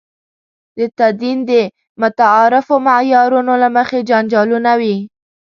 د تدین د متعارفو معیارونو له مخې جنجالونه وي.